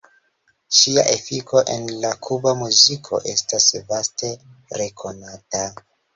Ŝia efiko en la kuba muziko estas vaste rekonata.